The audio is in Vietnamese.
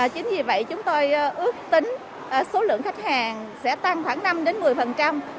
chính vì vậy chúng tôi ước tính số lượng khách hàng sẽ tăng khoảng năm một mươi